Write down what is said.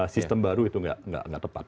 sistem baru itu tidak tepat